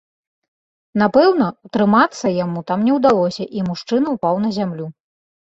Напэўна, утрымацца яму там не ўдалося, і мужчына ўпаў на зямлю.